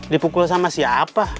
dipukul sama siapa